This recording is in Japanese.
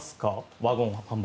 ワゴン販売。